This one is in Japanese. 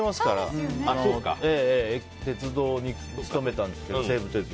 西武鉄道に勤めたんですけど。